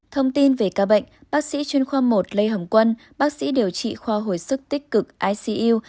thông tin về ca bệnh bác sĩ chuyên khoa một lê hồng quân bác sĩ điều trị khoa hồi sức tích cực icu